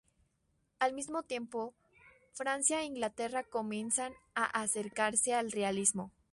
Al mismo tiempo, Francia e Inglaterra comienzan a acercarse al realismo.